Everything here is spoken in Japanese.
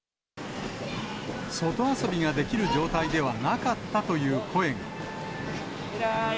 外遊びができる状態ではなかったという声が。